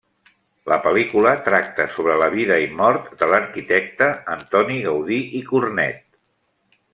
La pel·lícula tracta sobre la vida i mort de l'arquitecte Antoni Gaudí i Cornet.